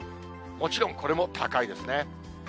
もちろんこれも高いですね。